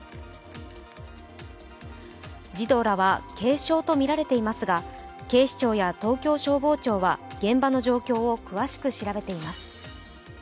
児童らは軽傷とみられていますが警視庁や東京消防庁は現場の状況を詳しく調べています。